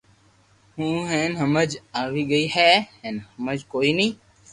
ھو ھين ھمج آئي گئي ھي ھين ھمج ڪوئي